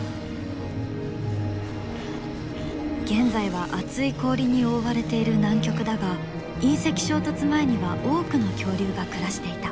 現在は厚い氷に覆われている南極だが隕石衝突前には多くの恐竜が暮らしていた。